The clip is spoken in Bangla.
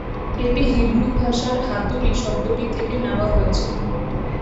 এটি হিব্রু ভাষার "হাতুড়ি" শব্দটি থেকে নেওয়া হয়েছে।